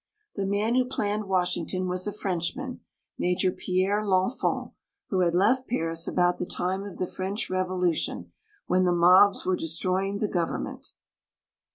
The man who planned Washington was a Frenchman, Major Pierre r Enfant, who had left Paris about the time of the French Revolution, when the mobs were destroying the govern ment.